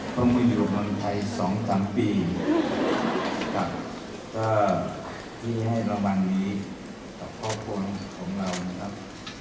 เพราะไม่อยู่บนไทย๒๓ปีที่ให้เราวันนี้กับครอบครัวของเรานะครับ